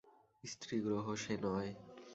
স্ত্রীগ্রহ সে নয়।